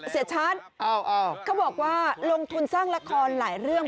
เสียชัดเขาบอกว่าลงทุนสร้างละครหลายเรื่อง